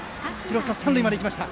三塁まで行きました。